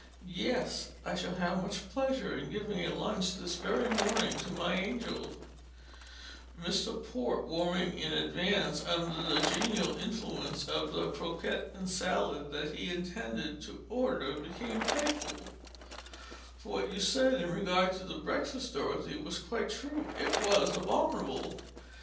Yes, I shall have much pleasure in giving a lunch this very morning to my angel" (Mr. Port, warming in advance under the genial influence of the croquette and salad that he intended to order, became playful), "for what you said in regard to the breakfast, Dorothy, was quite true it was abominable.